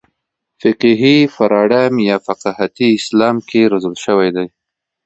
فقهي پاراډایم یا فقاهتي اسلام کې روزل شوي دي.